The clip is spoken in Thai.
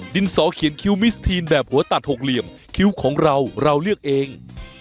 สอเขียนคิ้วมิสทีนแบบหัวตัดหกเหลี่ยมคิ้วของเราเราเลือกเอง